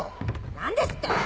何ですって！